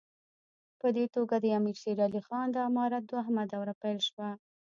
په دې توګه د امیر شېر علي خان د امارت دوهمه دوره پیل شوه.